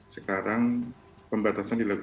sekarang pembatasan dilakukan